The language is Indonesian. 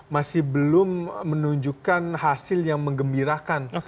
masih belum menunjukkan hasil yang mengembirakan